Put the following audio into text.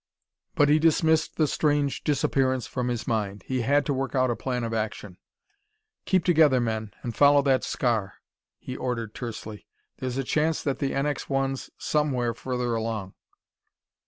But he dismissed the strange disappearance from his mind. He had to work out a plan of action. "Keep together, men, and follow that scar!" he ordered tersely. "There's a chance that the NX 1's somewhere further along!"